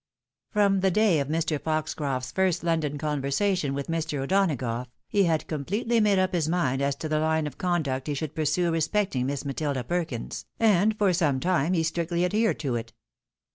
From the day of Mr. Foxcroft's first London conversation with Mr. O'Donagough, he had completely made up his mind as to the hue of conduct he should pursue respecting Miss Matilda Perkins, and for some time he strictly adhered to it.